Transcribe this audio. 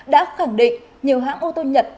đã khẳng định nhiều hãng ô tô nhật